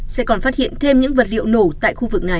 sẽ còn phát hiện thêm những vật liệu nổ tại khu vực này